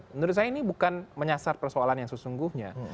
menurut saya ini bukan menyasar persoalan yang sesungguhnya